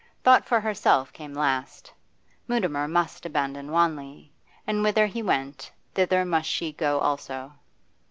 Thought for herself came last. Mutimer must abandon Wanley, and whither he went, thither must she go also.